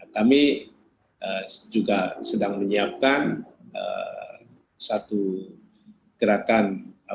kami juga sedang menyiapkan satu gerakan